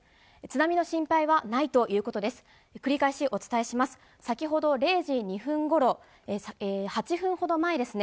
津波の心配はないということです。